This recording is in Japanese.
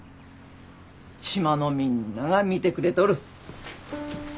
島のみんなが見てくれとる。